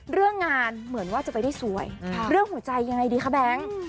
เรื่องงานเหมือนว่าจะไปได้สวยเรื่องหัวใจยังไงดีคะแบงค์